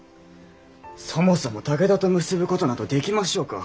そもそも武田と結ぶことなどできましょうか。